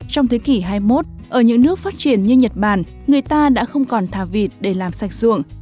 trong thế kỷ hai mươi một ở những nước phát triển như nhật bản người ta đã không còn thả vịt để làm sạch ruộng